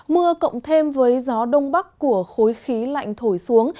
mưa cộng thêm với gió đông bắc của khối khí lạnh thổi xuống